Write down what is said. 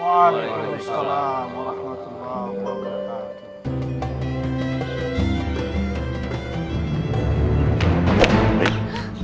waalaikumsalam warahmatullahi wabarakatuh